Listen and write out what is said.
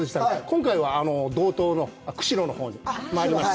今回は道東の釧路のほうに参りました。